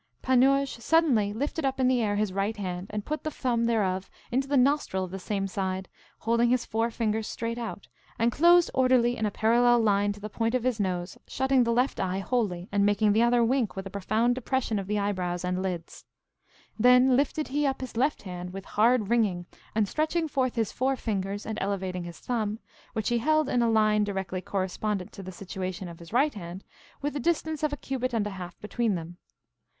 Panurge suddenly lifted up in the air his right hand, and put the thumb thereof into the nostril of the same side, holding his four fingers straight out, and closed orderly in a parallel line to the point of his nose, shutting the left eye wholly, and making the other wink with a profound depression of the eyebrows and eyelids. Then lifted he up his left hand, with hard wringing and stretching forth his four fingers and elevating his thumb, which he held in a line directly correspondent to the situation of his right hand, with the distance of a cubit and a half between them.